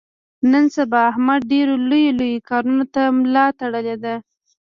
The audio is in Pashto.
نن سبا احمد ډېرو لویو لویو کاونو ته ملا تړلې ده.